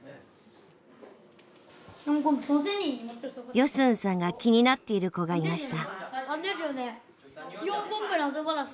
ヨスンさんが気になっている子がいました。